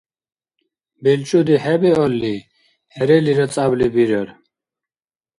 БелчӀуди хӀебиалли, хӀерелира цӀябли бирар.